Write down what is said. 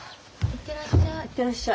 行ってらっしゃい。